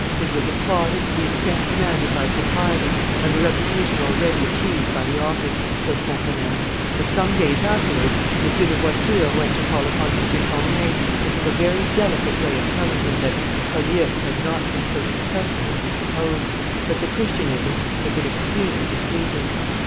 "It was applauded to the extent demanded by propriety and the reputation already achieved by the author," says Fontenelle; "but some days afterwards, M. de Voiture went to call upon M. Corneille, and took a very delicate way of telling him that Polyeucte had not been so successful as he supposed, that the Christianism had been extremely displeasing."